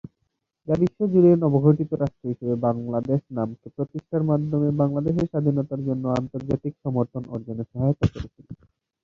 যা বিশ্বজুড়ে নবগঠিত রাষ্ট্র হিসেবে বাংলাদেশ নামকে প্রতিষ্ঠার মাধ্যমে বাংলাদেশের স্বাধীনতার জন্য আন্তর্জাতিক সমর্থন অর্জনে সহায়তা করেছিল।